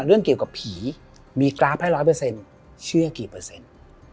เรื่องเกี่ยวกับผีมีกราฟให้ร้อยเปอร์เซ็นต์เชื่อกี่เปอร์เซ็นต์